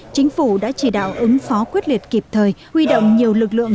chính phủ đã chỉ đạo ứng phó quyết liệt kịp thời huy động nhiều lực lượng